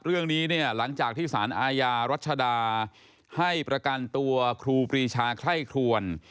ตอนนี้เนี่ยแหละหลังจากที่ศาลอาญารัชดาให้ประกันตัวครูปรีชาค่ายครวล